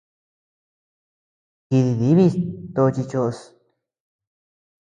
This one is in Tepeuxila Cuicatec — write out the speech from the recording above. Jidibis toci choʼos.